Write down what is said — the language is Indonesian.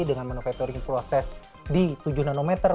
dengan manufatoring proses di tujuh nanometer